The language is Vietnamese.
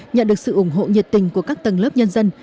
nhận được sự ủng hộ nhiệt tình của các tầng lớp nhân dân